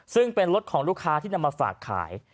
ซึ่งเป็นรถของลูกค้าที่นำมาฝากขาย